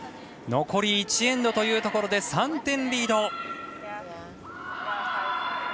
残り１エンドというところで３点リード。